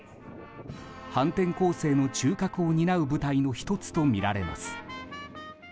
反転攻勢の中核を担う部隊の１つとみられます。